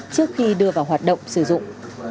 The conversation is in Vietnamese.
trước khi đưa vào hoạt động sử dụng